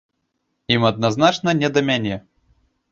Ім адназначна не да мяне.